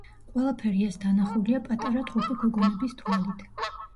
ყველაფერი ეს დანახულია პატარა ტყუპი გოგონების თვალით.